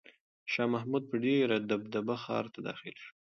شاه محمود په ډېره دبدبه ښار ته داخل شو.